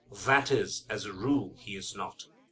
That is, as a rule he is not.